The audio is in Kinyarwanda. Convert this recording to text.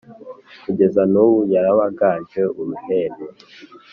kugeza na n’ubu yarabaganje uruhenu.